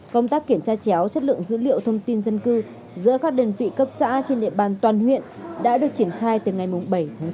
công tác kiểm tra chéo chất lượng dữ liệu thông tin dân cư giữa các đơn vị cấp xã trên địa bàn toàn huyện đã được triển khai từ ngày bảy tháng sáu